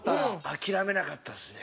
諦めなかったですね。